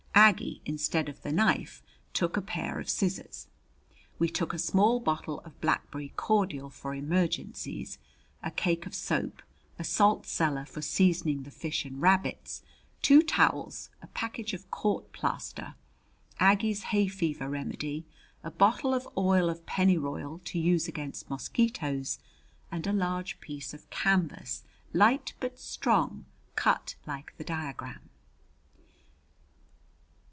Aggie, instead of the knife, took a pair of scissors. We took a small bottle of blackberry cordial for emergencies, a cake of soap, a salt cellar for seasoning the fish and rabbits, two towels, a package of court plaster, Aggie's hay fever remedy, a bottle of oil of pennyroyal to use against mosquitoes, and a large piece of canvas, light but strong, cut like the diagram.